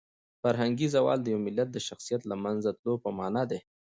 فرهنګي زوال د یو ملت د شخصیت د لمنځه تلو په مانا دی.